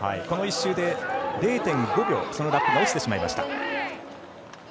この１周で０．５秒そのラップが落ちてしまいました。